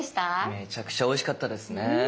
めちゃくちゃおいしかったですね。